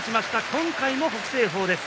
今回も北青鵬です。